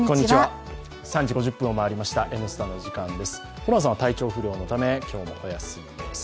ホランさんは体調不良のため、今日もお休みでございます。